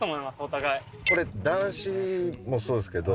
これ男子もそうですけど。